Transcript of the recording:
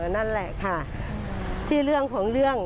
นั่นแหละค่ะที่เรื่องของเรื่อง